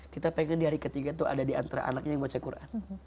kita pengen di hari ketiga itu ada di antara anaknya yang baca quran